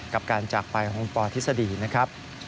กับการจากไปของปทฤษฎีนะครับ